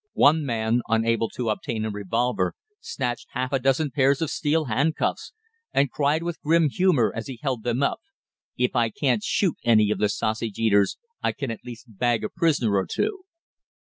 One man, unable to obtain a revolver, snatched half a dozen pairs of steel handcuffs, and cried with grim humour as he held them up: "If I can't shoot any of the sausage eaters, I can at least bag a prisoner or two!"